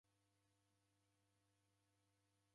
Chongo chalua